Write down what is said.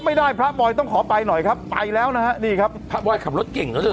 ไม่ได้พระบอยต้องขอไปหน่อยครับไปแล้วนะฮะนี่ครับพระบอยขับรถเก่งแล้วเถ